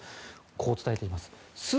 こう伝えています。